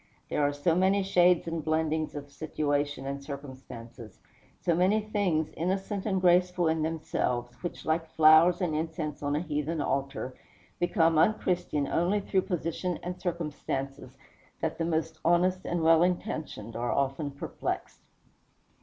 There are so many shades and blendings of situation and circumstances, so many things, innocent and graceful in themselves, which, like flowers and incense on a heathen altar, become unchristian only through position and circumstances, that the most honest and well intentioned are often perplexed.